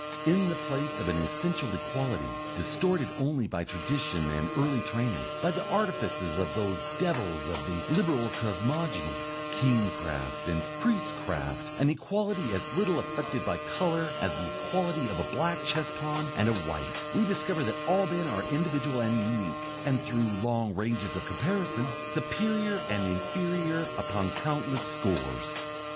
In the place of an essential equality, distorted only by tradition and early training, by the artifices of those devils of the Liberal cosmogony, "kingcraft" and "priestcraft," an equality as little affected by colour as the equality of a black chess pawn and a white, we discover that all men are individual and unique, and, through long ranges of comparison, superior and inferior upon countless scores.